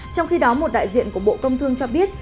trong khi đó một đại diện của bộ công thương cho biết